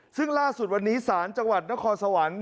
ซึ่งล่าสุดวันนี้ศาลจังหวัดนครสวรรค์